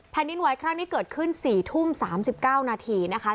ดินไหวครั้งนี้เกิดขึ้น๔ทุ่ม๓๙นาทีนะคะ